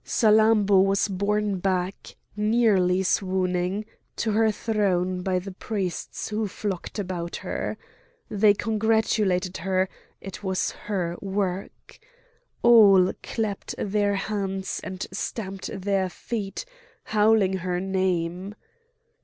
Salammbô was borne back, nearly swooning, to her throne by the priests who flocked about her. They congratulated her; it was her work. All clapped their hands and stamped their feet, howling her name.